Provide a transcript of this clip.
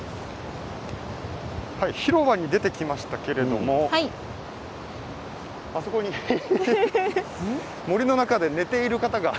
広場に出てきましたけれどもあそこに森の中で寝ている方が。